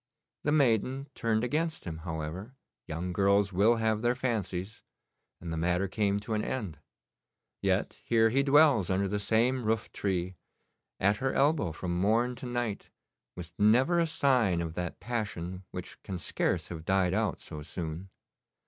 The maiden turned against him, however young girls will have their fancies and the matter came to an end. Yet here he dwells under the same roof tree, at her elbow from morn to night, with never a sign of that passion which can scarce have died out so soon.